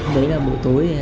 đấy là buổi tối